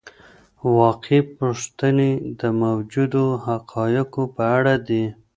واقعي پوښتنې د موجودو حقایقو په اړه دي.